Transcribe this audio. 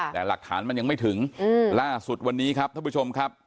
แต่หลักฐานมันยังไม่ถึงล่าสุดวันนี้ครับท่านผู้ชมครับ